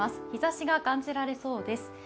陽ざしが感じられそうです。